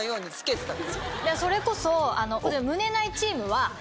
それこそ。